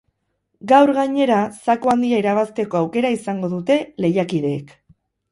Gaur, gainera, zaku handia irabazteko aukera izango dute lehiakideek.